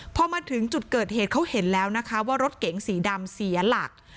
พอมาถึงจุดเกิดเหตุเขาเห็นแล้วนะคะว่ารถเก๋งสีดำเสียหลัก